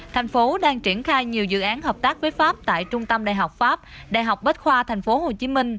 thành phố đang triển khai nhiều dự án hợp tác với pháp tại trung tâm đại học pháp đại học bách khoa tp hcm